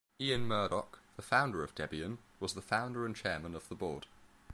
Ian Murdock, the founder of Debian, was the founder and Chairman of the Board.